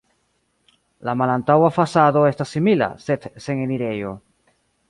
La malantaŭa fasado estas simila, sed sen enirejo.